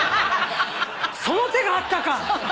その手があったか！